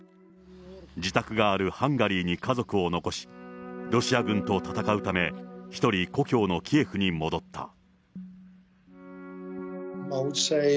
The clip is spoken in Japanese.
自宅があるハンガリーに家族を残し、ロシア軍と戦うため、１人故郷のキエフに戻った。